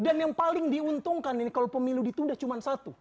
dan yang paling diuntungkan ini kalo pemilu ditunda cuma satu